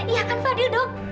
iya kan fadil dok